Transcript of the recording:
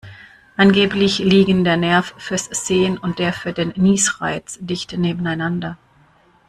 Angeblich liegen der Nerv fürs Sehen und der für den Niesreiz dicht nebeneinander.